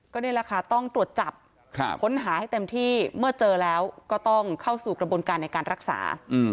นี่แหละค่ะต้องตรวจจับค้นหาให้เต็มที่เมื่อเจอแล้วก็ต้องเข้าสู่กระบวนการในการรักษา